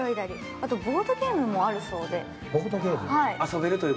あとボードゲームもあるそうで。